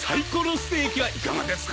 ステーキはいかがですか？